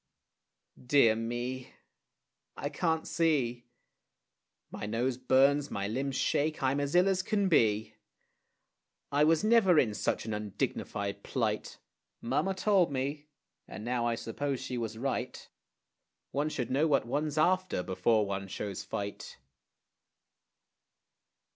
Dear me! I can't see. My nose burns, my limbs shake, I'm as ill as can be. I was never in such an undignified plight. Mamma told me, and now I suppose she was right; One should know what one's after before one shows fight.